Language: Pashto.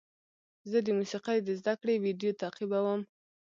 زه د موسیقۍ د زده کړې ویډیو تعقیبوم.